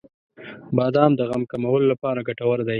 • بادام د غم کمولو لپاره ګټور دی.